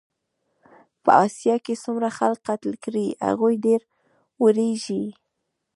په اسیا کې څومره خلک قتل کړې هغوی ډېر وېرېږي.